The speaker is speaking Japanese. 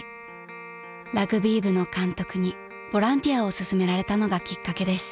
［ラグビー部の監督にボランティアを勧められたのがきっかけです］